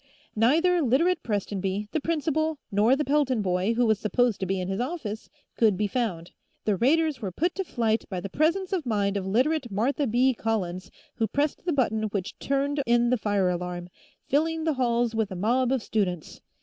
Neither Literate Prestonby, the principal, nor the Pelton boy, who was supposed to be in his office, could be found. The raiders were put to flight by the presence of mind of Literate Martha B. Collins, who pressed the button which turned in the fire alarm, filling the halls with a mob of students.